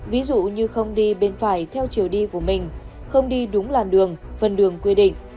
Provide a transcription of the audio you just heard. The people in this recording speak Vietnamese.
ví dụ như không đi bên phải theo chiều đi của mình không đi đúng làn đường phần đường quy định